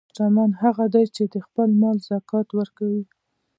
شتمن هغه دی چې د خپل مال زکات ورکوي.